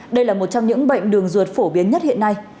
đây là một trong những bệnh đường ruột phổ biến nhất hiện nay